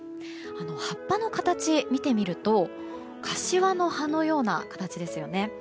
葉っぱの形を見てみると柏の葉のような形ですよね。